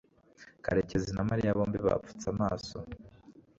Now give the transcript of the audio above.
karekezi na mariya bombi bapfutse amaso